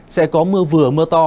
sẽ có mưa vừa mưa to